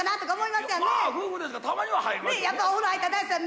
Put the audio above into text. まあ夫婦ですからたまには入りますよね。